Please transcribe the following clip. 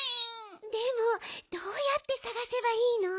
でもどうやってさがせばいいの？